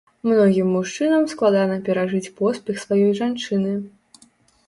Многім мужчынам складана перажыць поспех сваёй жанчыны.